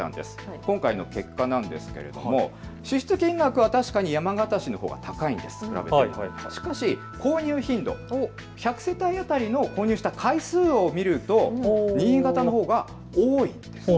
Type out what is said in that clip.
今回の結果なんですが支出金額は確かに山形市のほうが高いんですがしかし購入頻度、１００世帯当たりの購入した回数を診ると新潟のほうが多いんです。